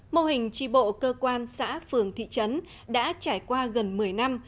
mô hình tri bộ cơ quan xã phường thị trấn đã trải qua gần một mươi năm